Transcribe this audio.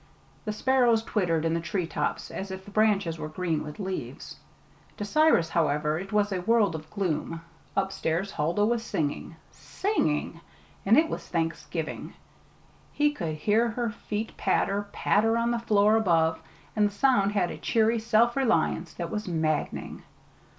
The sparrows twittered in the treetops as if the branches were green with leaves. To Cyrus, however, it was a world of gloom. Upstairs Huldah was singing singing! and it was Thanksgiving. He could hear her feet patter, patter on the floor above, and the sound had a cheery self reliance that was maddening.